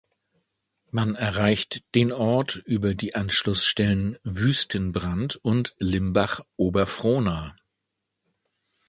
Man erreicht den Ort über die Anschlussstellen Wüstenbrand und Limbach-Oberfrohna.